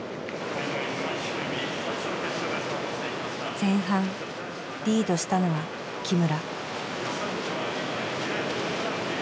前半リードしたのは木村。